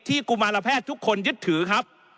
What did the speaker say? กุมารแพทย์ทุกคนยึดถือครับ